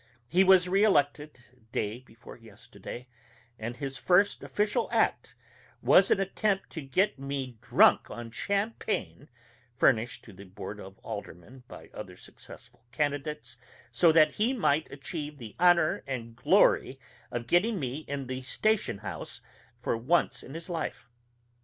He was re elected day before yesterday, and his first official act was an attempt to get me drunk on champagne furnished to the Board of Aldermen by other successful candidates, so that he might achieve the honor and glory of getting me in the station house for once in his life.